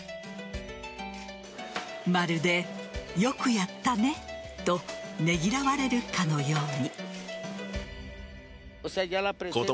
まるで、よくやったねとねぎらわれるかのように。